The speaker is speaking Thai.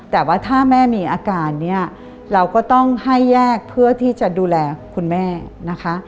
แต่ว่าถ้าแม่มีอาการเนี่ยเราก็ต้องให้แยกเพื่อที่จะดูแลคุณแม่นะคะ